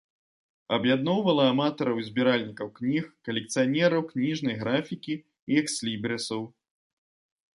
Аб'ядноўвала аматараў і збіральнікаў кніг, калекцыянераў кніжнай графікі і экслібрысаў.